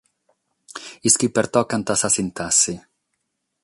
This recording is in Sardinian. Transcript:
Is chi pertocant sa sintassi.